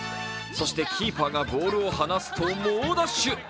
そしてキーパーがボールを離すと猛ダッシュ。